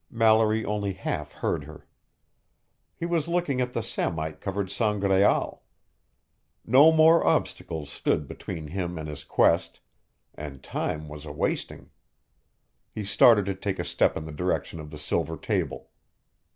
Mallory only half heard her. He was looking at the samite covered Sangraal. No more obstacles stood between him and his quest, and time was a wasting. He started to take a step in the direction of the silver table.